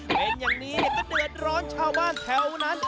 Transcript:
เป็นอย่างนี้ก็เดือดร้อนชาวบ้านแถวนั้น